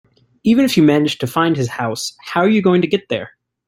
Even if you managed to find his house, how are you going to get there?